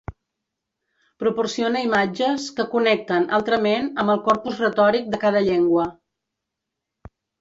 Proporcione imatges que connecten, altrament, amb el corpus retòric de cada llengua.